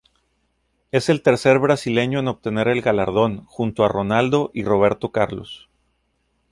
Es el tercer brasileño en obtener el galardón, junto a Ronaldo y Roberto Carlos.